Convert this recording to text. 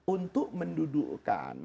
untuk mendudukan semua yang mereka fatwakan itu